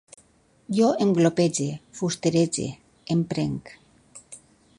Jo em glopege, fusterege, emprenc